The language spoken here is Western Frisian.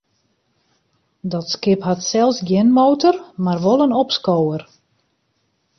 Dat skip hat sels gjin motor, mar wol in opskower.